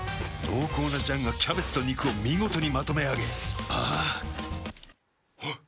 濃厚な醤がキャベツと肉を見事にまとめあげあぁあっ。